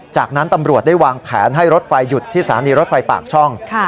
จากนั้นตำรวจได้วางแผนให้รถไฟหยุดที่สถานีรถไฟปากช่อง